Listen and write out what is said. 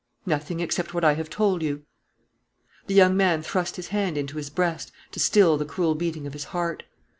"Nothing, except what I have told you." The young man thrust his hand into his breast to still the cruel beating of his heart.